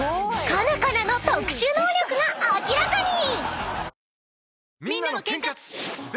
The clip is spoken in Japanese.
［カナカナの特殊能力が明らかに！］